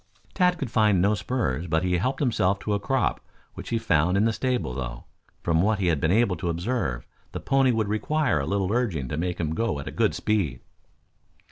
Tad could find no spurs, but he helped himself to a crop which he found in the stable, though, from what he had been able to observe, the pony would require little urging to make him go at a good speed.